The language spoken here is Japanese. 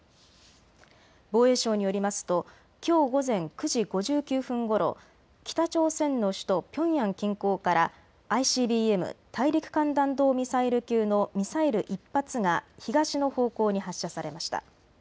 防衛省によりますときょう午前９時５９分ごろ、北朝鮮の首都ピョンヤン近郊からＩＣＢＭ・大陸間弾道ミサイル級のミサイル１発が東の方向に発射されました。